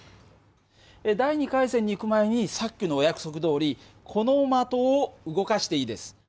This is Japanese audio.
第２回戦にいく前にさっきのお約束どおりこの的を動かしていいです。